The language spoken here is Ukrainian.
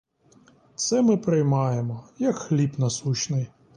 Це ми приймаємо, як хліб насущний!